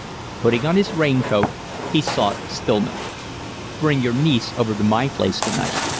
Putting on his rain coat he sought Stillman. "Bring your niece over to my place to night.